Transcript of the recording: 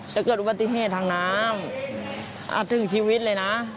จะเกิดอุบัติเทศทางน้ำอาจถึงชีวิตเลยนะ